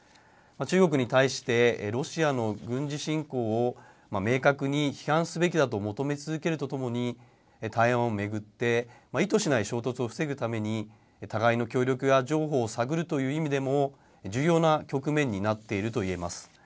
中国に対してロシアの軍事侵攻を明確に批判すべきだと求め続けるとともに台湾を巡って意図しない衝突を防ぐために互いの協力や譲歩を探るという意味でも重要な局面になっているといえます。